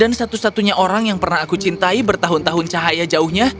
dan satu satunya orang yang pernah aku cintai bertahun tahun cahaya jauhnya